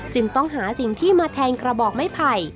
จึงต้องหาสิ่งที่มาแทงกระบอกไม้ไผ่